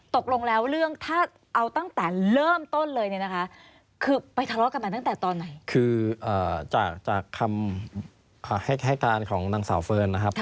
ตกลงแล้วเรื่องถ้าเอาตั้งแต่